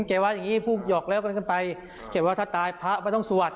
แกวะอย่างงี้พูดหยอกเล่ากันไปเก็บว่าถ้าตายพระไม่ต้องสวัสดิ์